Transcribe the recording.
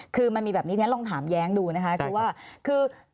คือมันมีแบบนี้ลองถามแย้งดูนะคะ